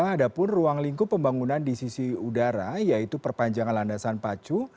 ada pun ruang lingkup pembangunan di sisi udara yaitu perpanjangan landasan pacu